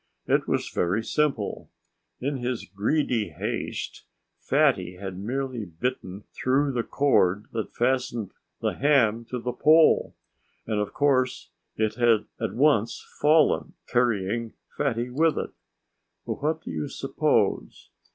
It was very simple. In his greedy haste Fatty had merely bitten through the cord that fastened the ham to the pole. And of course it had at once fallen, carrying Fatty with it! But what do you suppose?